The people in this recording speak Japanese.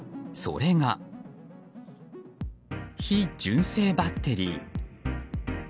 それが非純正バッテリー。